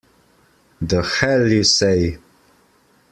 The hell you say!